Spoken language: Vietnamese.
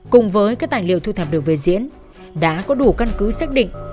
cùng với các tài liệu thu thập được về diễn đã có đủ căn cứ xác định